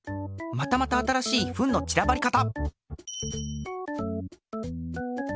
またまた新しいフンのちらばり方！